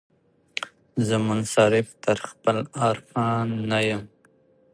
زه منصرف تر خپل ارمان نه یمه